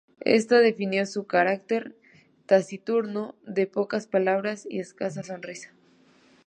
Esto definió su carácter taciturno, de pocas palabras y escasa sonrisa.